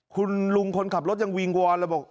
คุณลุงคนขับรถยังวิงวอนเลยบอก